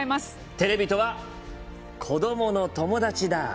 テレビとは子どもの友だちだ。